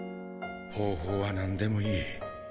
方法は何でもいい